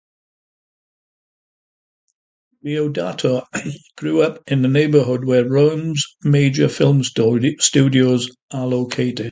Deodato grew up in the neighborhood where Rome's major film studios are located.